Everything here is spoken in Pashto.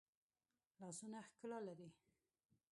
لاسونه ښکلا لري